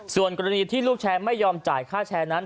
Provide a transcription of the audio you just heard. ส่วนกรณีที่ลูกแชร์ไม่ยอมจ่ายค่าแชร์นั้น